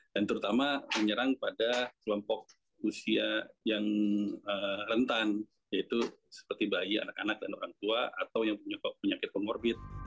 dan terutama menyerang pada kelompok usia yang rentan yaitu seperti bayi anak anak dan orang tua atau yang punya penyakit komorbit